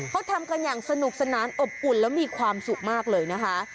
เขาทำกันอย่างสนุกสนานอบอุ่นแล้วมีความสุขมากเลยนะคะ